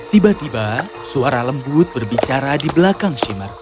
tiba tiba suara lembut berbicara di belakang shimer